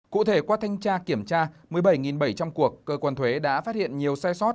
cụ thể qua thanh tra kiểm tra một mươi bảy bảy trăm linh cuộc cơ quan thuế đã phát hiện nhiều sai sót